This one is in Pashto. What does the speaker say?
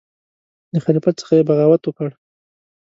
د خلیفه څخه یې بغاوت وکړ.